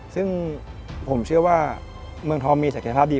ซึ่งผมเชื่อว่าเมืองทองมีศักยภาพดี